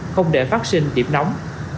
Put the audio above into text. không để phát sinh điểm nóng